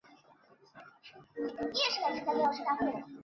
硬狸藻为狸藻属多年生小型至中型岩生食虫植物。